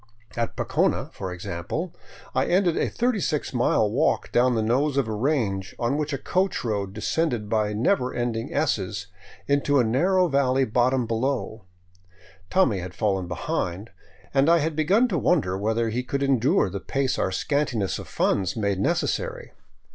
At Pocona, for example, I ended a 36 mile walk down the nose of a range on which a coach road descended by never ending S's to a narrow valley bottom below. Tommy had fallen behind, and I had begun to wonder whether he could endure the pace our scantiness of funds made necessary.